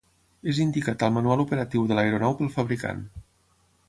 És indicat al manual operatiu de l'aeronau pel fabricant.